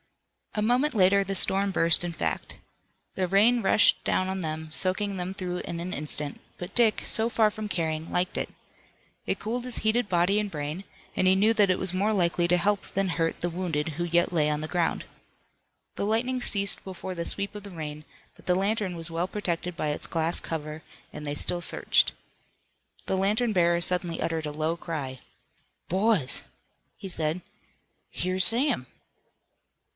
A moment later the storm burst in fact. The rain rushed down on them, soaking them through in an instant, but Dick, so far from caring, liked it. It cooled his heated body and brain, and he knew that it was more likely to help than hurt the wounded who yet lay on the ground. The lightning ceased before the sweep of the rain, but the lantern was well protected by its glass cover, and they still searched. The lantern bearer suddenly uttered a low cry. "Boys!" he said, "Here's Sam!"